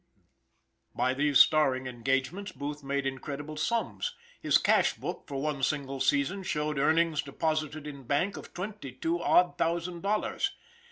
_" By these starring engagments, Booth made incredible sums. His cashbook, for one single season, showed earnings deposited in bank of twenty two odd thousand dollars.